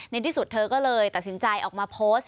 ในที่สุดเธอก็เลยตัดสินใจออกมาโพสต์